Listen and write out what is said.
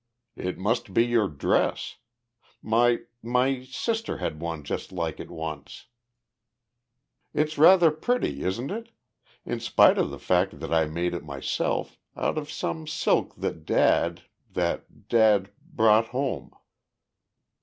"It must be your dress. My my sister had one just like it once." "It is rather pretty, isn't it? In spite of the fact that I made it myself out of some silk that dad that dad brought home."